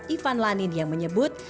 ivan lanin yang menyebut